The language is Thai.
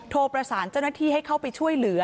ประสานเจ้าหน้าที่ให้เข้าไปช่วยเหลือ